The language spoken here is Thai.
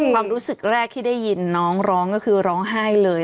ความรู้สึกแรกที่ได้ยินน้องร้องก็คือร้องไห้เลย